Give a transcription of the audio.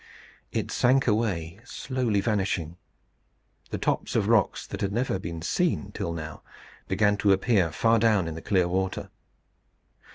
It sank away, slowly vanishing. The tops of rocks that had never been seen till now, began to appear far down in the clear water.